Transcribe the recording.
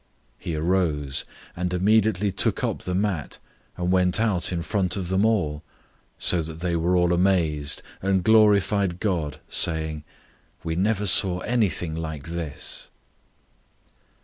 002:012 He arose, and immediately took up the mat, and went out in front of them all; so that they were all amazed, and glorified God, saying, "We never saw anything like this!"